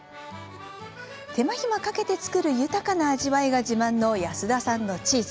手間暇かけて作る豊かな味わいが自慢の安田さんのチーズ。